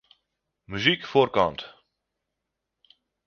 Muzyk foarkant.